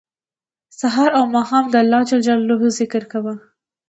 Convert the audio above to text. سهار او ماښام د الله ج ذکر کوه